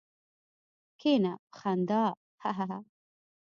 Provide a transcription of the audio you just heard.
کېنه! په خندا هههه.